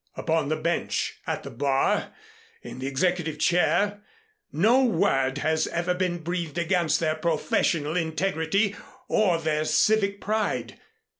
Upon the Bench, at the Bar, in the Executive chair, no word has ever been breathed against their professional integrity or their civic pride.